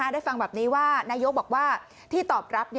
ได้ฟังแบบนี้ว่านายกบอกว่าที่ตอบรับ